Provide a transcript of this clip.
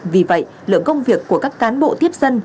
vì vậy lượng công việc của các cán bộ tiếp dân